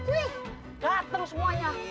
wih gateng semuanya